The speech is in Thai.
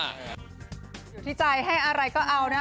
อยู่ที่ใจให้อะไรก็เอานะ